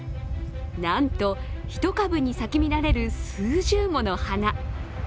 なんと１株に咲き乱れる数十もの花。